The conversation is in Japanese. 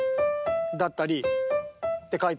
だったり。って書いてあったり。